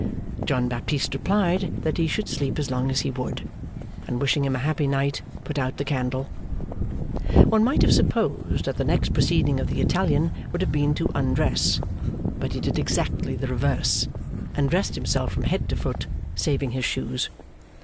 John Baptist replied that he should sleep as long as he would, and wishing him a happy night, put out the candle. One might have supposed that the next proceeding of the Italian would have been to undress; but he did exactly the reverse, and dressed himself from head to foot, saving his shoes.